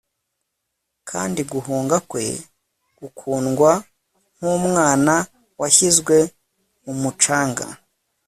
kandi guhunga kwe gukundwa nkumwana washyizwe mumucanga